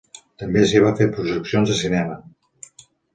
També s'hi van fer projeccions de cinema.